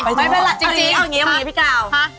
ไปเอาอย่างงี้เอาอย่างงี้พี่ก้าว